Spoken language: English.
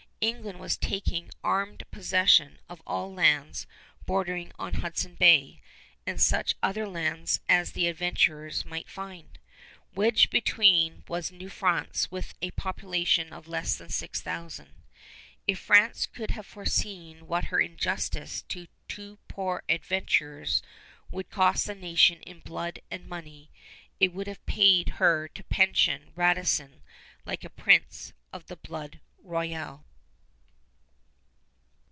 England was taking armed possession of all lands bordering on Hudson Bay and such other lands as the Adventurers might find. Wedged between was New France with a population of less than six thousand. If France could have foreseen what her injustice to two poor adventurers would cost the nation in blood and money, it would have paid her to pension Radisson like a prince of the blood royal.